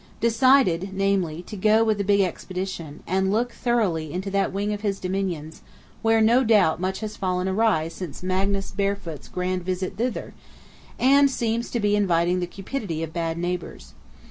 Decided, namely, to go with a big expedition, and look thoroughly into that wing of his Dominions; where no doubt much has fallen awry since Magnus Barefoot's grand visit thither, and seems to be inviting the cupidity of bad neighbors!